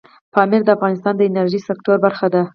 پامیر د افغانستان د انرژۍ سکتور برخه ده.